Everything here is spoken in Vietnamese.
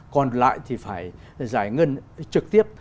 còn lại thì phải giải ngân trực tiếp